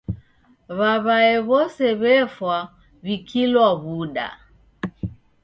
W'aw'ae w'ose w'efwa w'ikilwa w'uda.